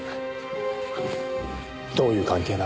どういう関係なんだ？